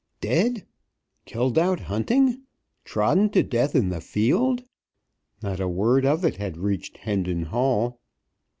"Dead!" "Killed out hunting!" "Trodden to death in the field!" Not a word of it had reached Hendon Hall.